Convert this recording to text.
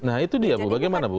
nah itu dia bu bagaimana bu